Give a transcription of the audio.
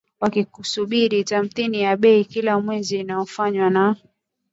wakisubiri tathmini ya bei kila mwezi inayofanywa na